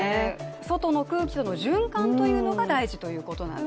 外の空気との循環というのが大事ということなんです。